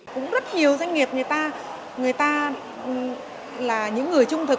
cũng rất nhiều doanh nghiệp người ta người ta là những người trung thực